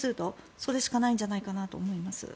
それしかないんじゃないかなと思います。